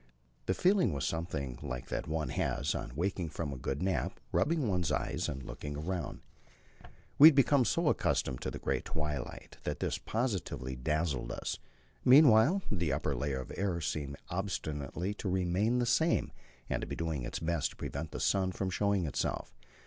The feeling was something like that one has on waking from a good nap, rubbing one's eyes and looking around. We had become so accustomed to the grey twilight that this positively dazzled us. Meanwhile, the upper layer of air seemed obstinately to remain the same and to be doing its best to prevent the sun from showing itself.